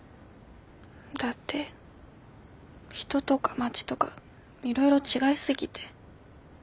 だって人とか街とかいろいろ違い過ぎて。